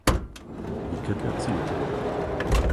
Wicket erzielte.